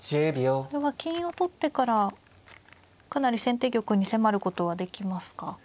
これは金を取ってからかなり先手玉に迫ることはできますか。